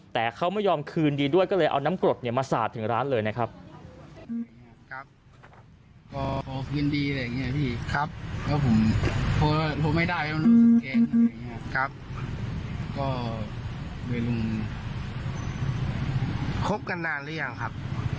แต่เขาไม่ยอมคืนดีด้วยก็เลยเอาน้ำกรดมาสาดถึงร้านเลยนะครับ